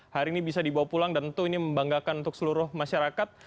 hari ini bisa dibawa pulang dan tentu ini membanggakan untuk seluruh masyarakat